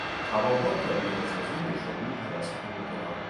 چپاول و ویران سازی نیشابور توسط مغولان